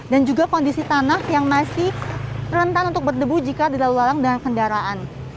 juga kondisi tanah yang masih rentan untuk berdebu jika dilalu lalang dengan kendaraan